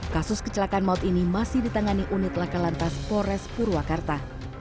kasus kecelakaan maut ini masih ditangani unit laka lantas pores purwakarta